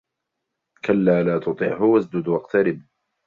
كلا لا تطعه واسجد واقترب